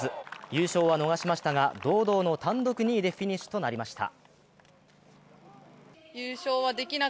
優勝は逃しましたが、堂々の単独２位でフィニッシュとなりました。